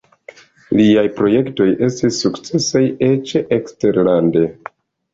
Liaj projektoj estis sukcesaj eĉ eksterlande.